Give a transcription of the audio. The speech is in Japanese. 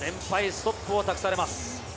ストップを託されます。